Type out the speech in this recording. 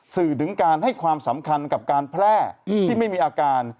สื่อถึงการให้ความสำคัญกับการแพร่ที่ไม่มีอาการ